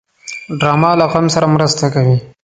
ډرامه له غم سره مرسته کوي